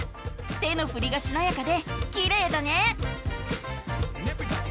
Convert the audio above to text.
手のふりがしなやかできれいだね。